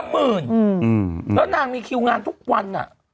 แล้วนางมีคิวงานทุกวัน